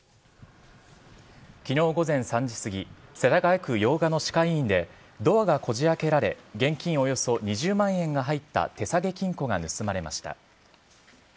きのう午前３時過ぎ、世田谷区用賀の歯科医院で、ドアがこじあけられ、現金およそ２０万円が入った手提げ金庫が盗まれました。